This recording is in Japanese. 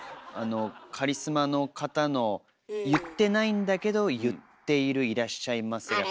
あのカリスマの方の言ってないんだけど言っている「いらっしゃいませ」